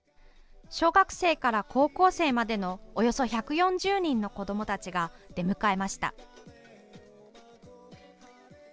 小学生から高校生までのおよそ１４０人の子どもたちが出迎えました。